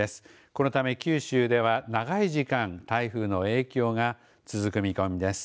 このため九州では長い時間台風の影響が続く見込みです。